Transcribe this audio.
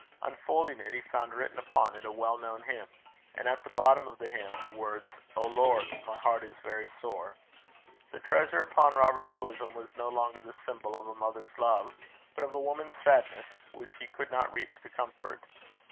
Unfolding it he found written upon it a well known hymn, and at the bottom of the hymn, the words: 'O Lord! my heart is very sore.' The treasure upon Robert's bosom was no longer the symbol of a mother's love, but of a woman's sadness, which he could not reach to comfort.